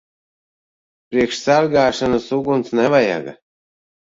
Priekš sargāšanas uguns nevajaga.